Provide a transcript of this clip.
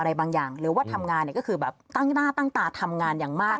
ที่เป็นอ่ะอ่ะที่เป็นพี่สนาสวรรค์